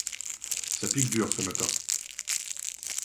Ça pique dur, ce matin.